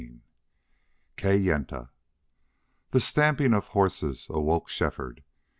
III. KAYENTA The stamping of horses awoke Shefford.